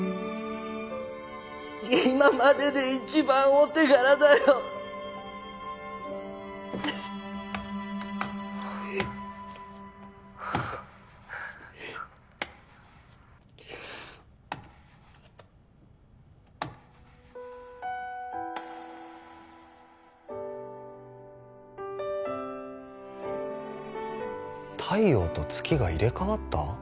今までで一番お手柄だよフフッ太陽と月が入れ替わった？